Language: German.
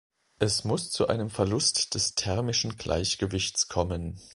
Es muss zu einem Verlust des thermischen Gleichgewichts kommen.